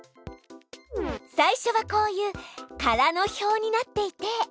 最初はこういう空の表になっていて。